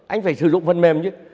anh phải sử dụng phần mềm chứ